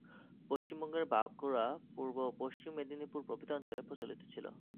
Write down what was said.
পশ্চিমবঙ্গের বাঁকুড়া, পূর্ব ও পশ্চিম মেদিনীপুর প্রভৃতি অঞ্চলে প্রচলিত ছিল।